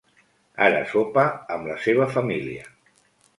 Ara sopa amb la seva família.